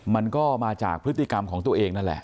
มันก็มาจากพฤติกรรมของตัวเองนั่นแหละ